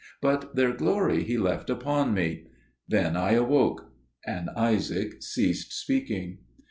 But their glory he left upon me. Then I awoke." And Isaac ceased speaking.